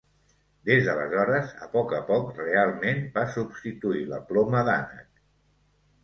Des d'aleshores a poc a poc realment va substituir la ploma d'ànec.